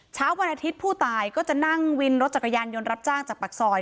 เช้าวันอาทิตย์ผู้ตายก็จะนั่งวินรถจักรยานยนต์รับจ้างจากปากซอย